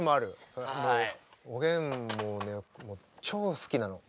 おげんもね超好きなの。